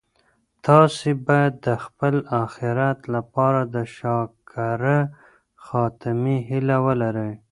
تاسي باید د خپل اخیرت لپاره د شاکره خاتمې هیله ولرئ.